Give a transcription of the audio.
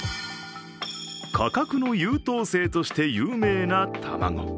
価格の優等生として有名な卵。